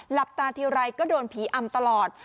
หลับตาทีไรก็โดนผีอำตลอด